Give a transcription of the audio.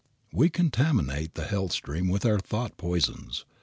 We contaminate the health stream with our thought poisons.